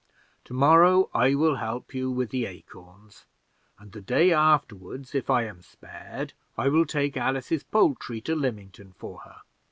To morrow I will help you with the acorns, and the day afterward, if I am spared, I will take Alice's poultry to Lymington for her."